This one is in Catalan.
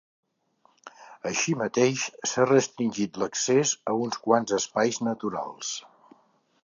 Així mateix, s’ha restringit l’accés a uns quants espais naturals.